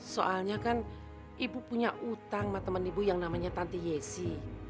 soalnya kan ibu punya utang sama teman ibu yang namanya tanti yesi